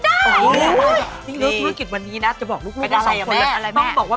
หมอสอดอันเลยนะครับ